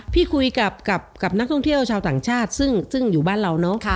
คุยกับนักท่องเที่ยวชาวต่างชาติซึ่งอยู่บ้านเราเนอะ